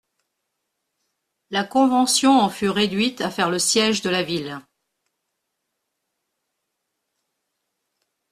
La Convention en fut réduite à faire le siége de la ville.